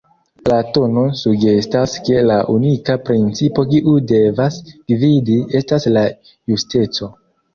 Platono sugestas ke la unika principo kiu devas gvidi estas la justeco.